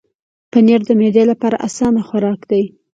پنېر د معدې لپاره اسانه خوراک دی.